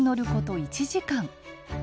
１時間。